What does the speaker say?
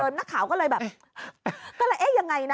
นักข่าวก็เลยแบบก็เลยเอ๊ะยังไงนะ